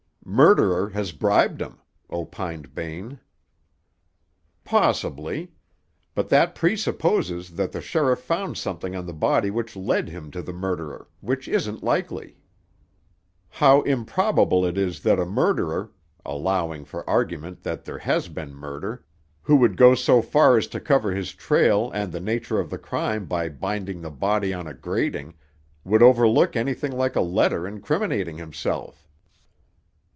"Murderer has bribed 'em," opined Bain. "Possibly. But that presupposes that the sheriff found something on the body which led him to the murderer, which isn't likely. How improbable it is that a murderer—allowing, for argument, that there has been murder—who would go as far as to cover his trail and the nature of the crime by binding the body on a grating, would overlook anything like a letter incriminating himself!"